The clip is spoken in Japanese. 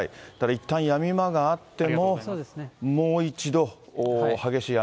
いったんやみ間があっても、もう一度激しい雨。